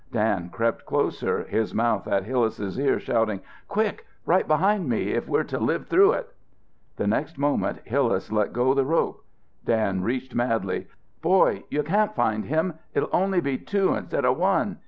Dan crept closer, his mouth at Hillas's ear, shouting, "Quick! Right behind me if we're to live through it!" The next moment Hillas let go the rope. Dan reached madly. "Boy, you can't find him it'll only be two instead of one!